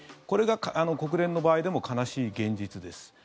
これが国連の場合でも悲しい現実です。